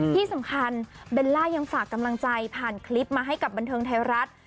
ที่สำคัญเบลล่ายังฝากกำลังใจผ่านคลิปมาให้กับบันเทิงไทยรัฐ